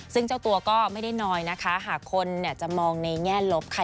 ซึ่งเจ้าตัวก็ไม่ได้น้อยนะคะหากคนจะมองในแง่ลบค่ะ